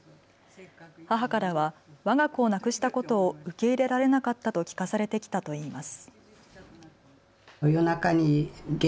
母からはわが子を亡くしたことを受け入れられなかったと聞かされてきたといいます。